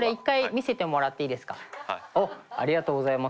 おっありがとうございます。